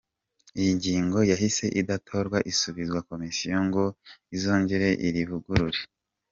Iyi ngingo yahise idatorwa isubizwa komisiyo ngo izongere irivugurure.